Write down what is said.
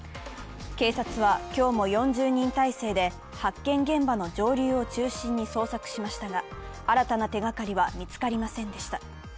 警察は今日も４０人態勢で発見現場の上流を中心に捜索しましたが、新たな手がかりは見つかりませんでした。